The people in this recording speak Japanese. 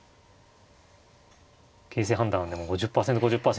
形勢判断はでも５０％５０％ですから。